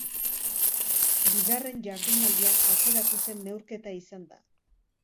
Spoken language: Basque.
Bigarren jardunaldian atzeratu zen neurketa izan da.